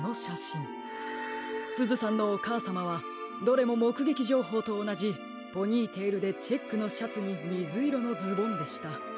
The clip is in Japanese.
すずさんのおかあさまはどれももくげきじょうほうとおなじポニーテールでチェックのシャツにみずいろのズボンでした。